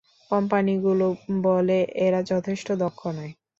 কোম্পানিগুলো বলে এরা যথেষ্ট দক্ষ নয়।